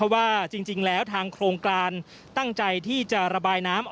ว่าจริงแล้วทางโครงการตั้งใจที่จะระบายน้ำ